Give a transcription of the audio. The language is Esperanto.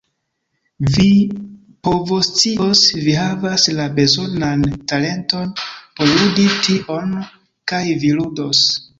Vi povoscios, vi havas la bezonan talenton por ludi tion, kaj vi ludos.